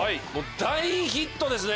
大ヒットですね。